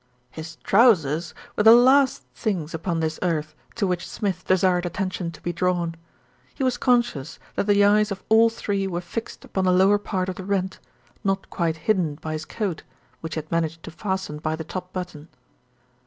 His trousers were the last things upon this earth to which Smith desired attention to be drawn. He was conscious that the eyes of all three were fixed upon the lower part of the rent, not quite hidden by his coat, which he had managed to fasten by the top button.